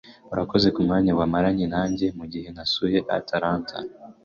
Urakoze kumwanya wamaranye nanjye mugihe nasuye Atlanta.